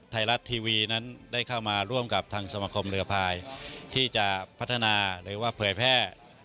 ไทยรัฐทีวีนั้นได้เข้ามาร่วมกับทางสมคมเรือพายที่จะพัฒนาหรือว่าเผยแพร่